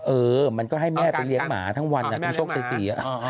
เออมันก็ให้แม่ไปเลี้ยงหมาทั้งวันอ่ะดูโชคไอ้สี่